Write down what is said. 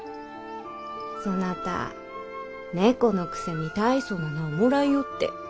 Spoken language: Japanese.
そなた猫のくせに大層な名をもらいよって。